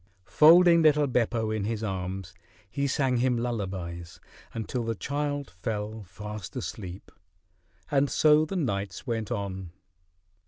Folding little Beppo in his arms, he sang him lullabies until the child fell fast asleep. And so the nights went on.